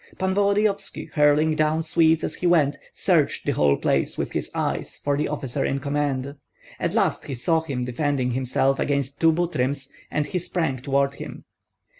Pan Volodyovski, hurling down Swedes as he went, searched the whole place with his eyes for the officer in command; at last he saw him defending himself against two Butryms, and he sprang toward him.